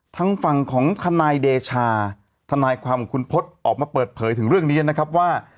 ทางฝั่งของทนายเดชาธนายความของคุณพจน์ออกมาเปิดเผยถึงเรื่องนี้นะครับว่า